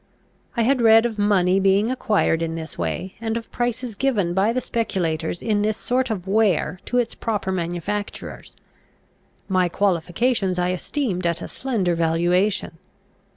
I had read of money being acquired in this way, and of prices given by the speculators in this sort of ware to its proper manufacturers. My qualifications I esteemed at a slender valuation.